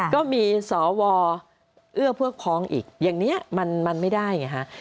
ก็มีสวเอื้อพวกพ้องอีกอย่างนี้มันไม่ได้ไงฮะ